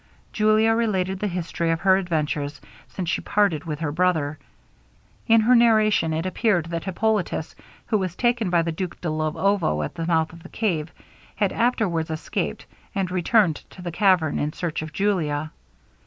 Julia related the history of her adventures since she parted with her brother. In her narration, it appeared that Hippolitus, who was taken by the Duke de Luovo at the mouth of the cave, had afterwards escaped, and returned to the cavern in search of Julia.